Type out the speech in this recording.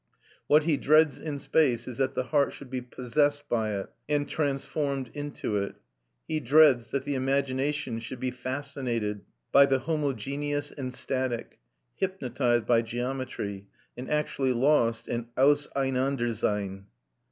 What he dreads in space is that the heart should be possessed by it, and transformed into it. He dreads that the imagination should be fascinated by the homogeneous and static, hypnotised by geometry, and actually lost in Auseinandersein.